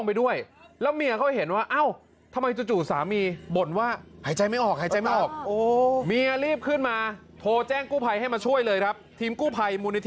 มีเมียเขาลงไปด้วยแล้วเมียเขาเห็นว่าเอ้า